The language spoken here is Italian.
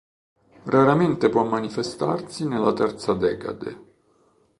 Raramente può manifestarsi nella terza decade.